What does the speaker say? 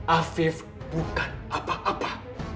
afif bukan apa apa